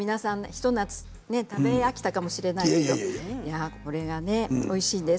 一夏、食べ飽きたかもしれませんけどこれがおいしいんです。